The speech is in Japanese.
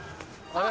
あれ？